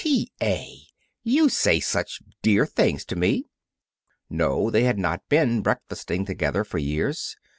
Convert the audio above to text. "T. A., you say such dear things to me!" No; they had not been breakfasting together for years.